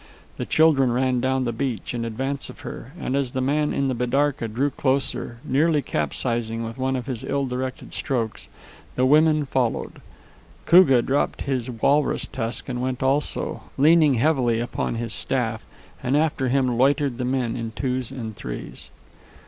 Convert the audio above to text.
The children ran down the beach in advance of her, and as the man in the bidarka drew closer, nearly capsizing with one of his ill directed strokes, the women followed. Koogah dropped his walrus tusk and went also, leaning heavily upon his staff, and after him loitered the men in twos and threes.